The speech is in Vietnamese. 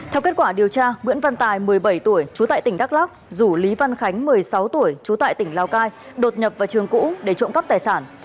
theo kết quả điều tra nguyễn văn tài một mươi bảy tuổi trú tại tỉnh đắk lắc rủ lý văn khánh một mươi sáu tuổi trú tại tỉnh lào cai đột nhập vào trường cũ để trộm cắp tài sản